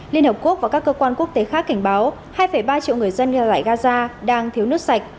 liên hợp quốc và các cơ quan quốc tế khác cảnh báo hai ba triệu người dân ở lại gaza đang thiếu nước sạch